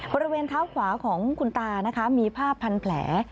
บริเวณเท้าขวาของคุณตานะคะมีภาพพันแผล